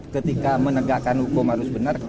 ketika menegakkan hukum harus benar